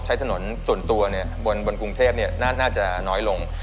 ใช้ถนนส่วนตัวบนกรุงเทพน่าจะน้อยลง